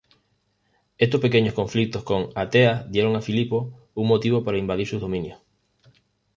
Estos pequeños conflictos con Ateas dieron a Filipo un motivo para invadir sus dominios.